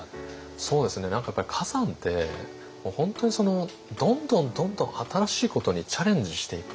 そうですね何かやっぱり崋山って本当にどんどんどんどん新しいことにチャレンジしていく。